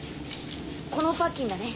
このパッキンだね。